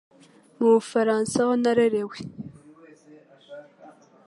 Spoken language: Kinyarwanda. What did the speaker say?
Mu Bufaransa aho narerewe,